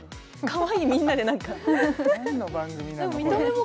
かわいいみんなで何か何の番組なの？